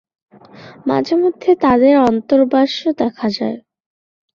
মাঝেমধ্যে তাদের অন্তর্বাসও দেখা যায়।